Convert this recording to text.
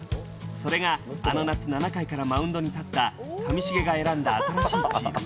それがあの夏７回からマウンドに立った上重が選んだ。